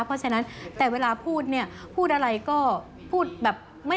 เพราะฉะนั้นแต่เวลาพูดพูดอะไรก็พูดแบบ